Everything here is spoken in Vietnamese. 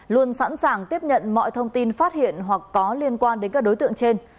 luôn sẵn sàng tiếp nhận mọi thông tin phát hiện hoặc có liên quan đến các đối tượng trên